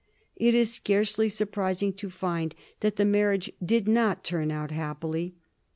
It is scarcely surprising to find that the marriage did not turn out happily.